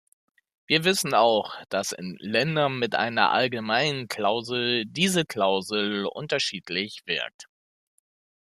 Wir wissen auch, dass in Ländern mit einer allgemeinen Klausel diese Klausel unterschiedlich wirkt.